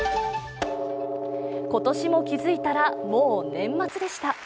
今年も気付いたらもう年末でした。